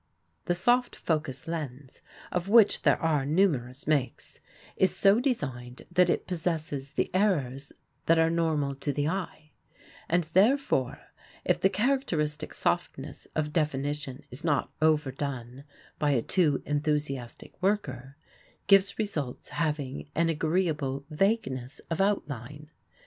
The soft focus lens of which there are numerous makes is so designed that it possesses the errors that are normal to the eye, and therefore if the characteristic softness of definition is not over done by a too enthusiastic worker gives results having an agreeable vagueness of outline.